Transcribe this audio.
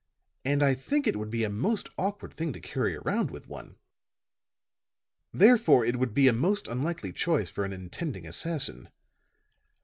"And I think it would be a most awkward thing to carry around with one. Therefore, it would be a most unlikely choice for an intending assassin.